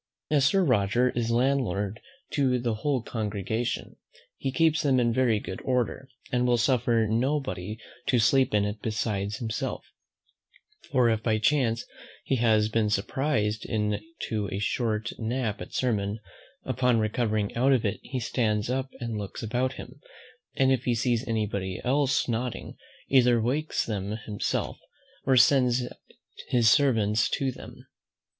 As Sir Roger is landlord to the whole congregation, he keeps them in very good order, and will suffer nobody to sleep in it besides himself; for if by chance he has been surprised into a short nap at sermon, upon recovering out of it he stands up and looks about him, and if he sees any body else nodding, either wakes them himself, or sends his servants to them.